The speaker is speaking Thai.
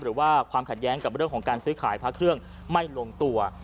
หรือว่าความขัดแย้งกับเรื่องของการซื้อขายพระเครื่องไม่ลงตัว